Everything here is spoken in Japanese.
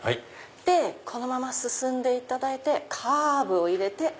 このまま進んでいただいてカーブを入れて。